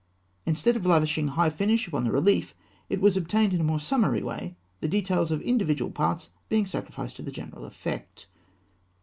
Instead of lavishing high finish upon the relief, it was obtained in a more summary way, the details of individual parts being sacrificed to the general effect.